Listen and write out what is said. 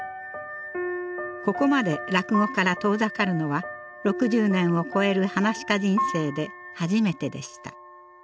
ここまで落語から遠ざかるのは６０年を超える噺家人生で初めてでした。